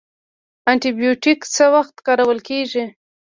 انټي بیوټیک څه وخت کارول کیږي؟